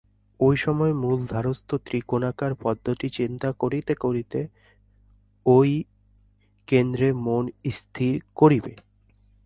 ঐ সময়ে মূলাধারস্থ ত্রিকোণাকার পদ্মটি চিন্তা করিতে করিতে ঐ কেন্দ্রে মন স্থির করিবে।